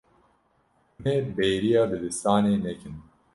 Hûn ê bêriya dibistanê nekin.